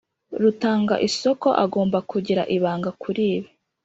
Rutanga isoko agomba kugira ibanga kuri ibi